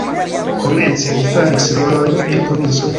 Komence li faris rolojn en provinco.